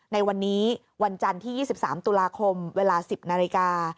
ในวันนี้วันจันทร์ที่๒๓ตุลาคมเวลา๑๐นาฬิกา